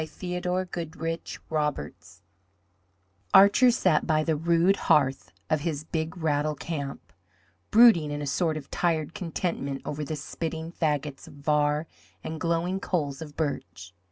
THEODORE GOODRIDGE ROBERTS Archer sat by the rude hearth of his Big Rattle camp, brooding in a sort of tired contentment over the spitting fagots of var and glowing coals of birch.